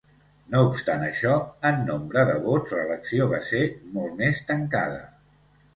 No obstant això, en nombre de vots, l'elecció va ser molt més tancada.